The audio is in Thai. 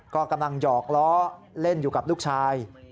ก็กำลังหยอกล้อเล่นอยู่กับลูกชาย